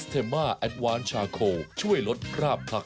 เทมมาแอดวานชาโคช่วยลดคราบผัก